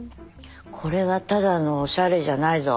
これはただのオシャレじゃないぞ。